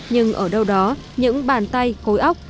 nhưng ở đâu đó những bàn tay cối ốc